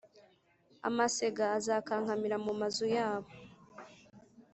Amasega azakankamira mu mazu yabo